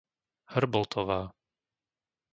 Hrboltová